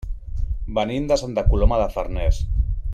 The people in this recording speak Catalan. Venim de Santa Coloma de Farners.